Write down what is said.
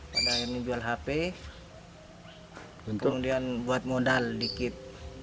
pada akhirnya jual hp kemudian buat modal sedikit